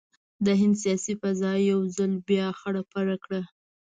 د هند سیاسي فضا یو ځل بیا خړه پړه کړه.